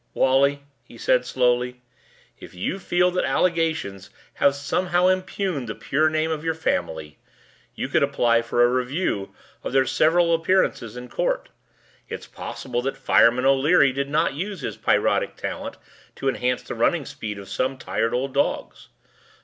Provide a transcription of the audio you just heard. "Wally," he said slowly, "if you feel that allegations have somehow impugned the pure name of your family, you could apply for a review of their several appearances in court. It's possible that 'Fireman' O'Leary did not use his pyrotic talent to enhance the running speed of some tired old dogs."